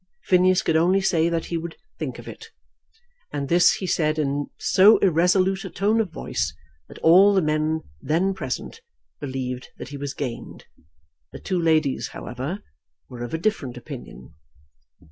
Phineas could only say that he would think of it; and this he said in so irresolute a tone of voice that all the men then present believed that he was gained. The two ladies, however, were of a different opinion.